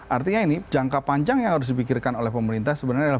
artinya ini jangka panjang yang harus dipikirkan oleh pemerintah sebenarnya adalah